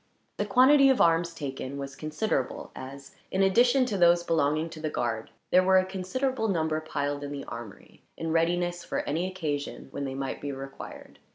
The quantity of arms taken was considerable as, in addition to those belonging to the guard, there were a considerable number piled in the armory, in readiness for any occasion when they might be required.